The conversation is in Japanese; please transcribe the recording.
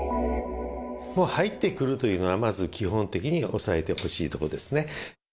もう入ってくるというのは、まず基本的に押さえてほしいところですね。